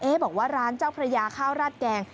บอกว่าร้านเจ้าพระยาข้าวราดแกง